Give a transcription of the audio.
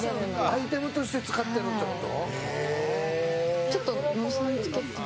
アイテムとして使ってるってこと？